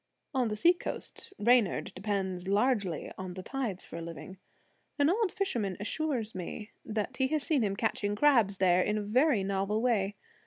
On the seacoast Reynard depends largely on the tides for a living. An old fisherman assures me that he has seen him catching crabs there in a very novel way.